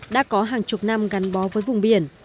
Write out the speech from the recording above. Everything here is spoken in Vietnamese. đã có hàng chục năm gắn bó với vùng biển